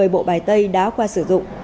một mươi bộ bài tây đã qua sử dụng